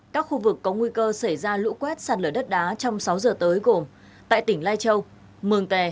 các khu vực có nguy cơ xảy ra lũ quét sạt lở đất đá trong sáu giờ tới gồm tại tỉnh lai châu mường tè